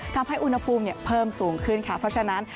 ทำให้อุณหภูมิเพิ่มสูงขึ้นค่ะเพราะฉะนั้น